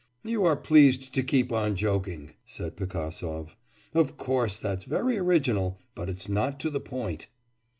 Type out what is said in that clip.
'You are pleased to keep on joking,' said Pigasov. 'Of course that's very original, but it's not to the point.